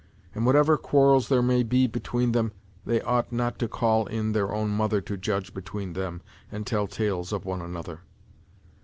And whatever quarrels there may be between them they ought not to call in their own mother to judge between them and tell tales of one another.